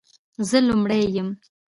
زه لومړۍ یم،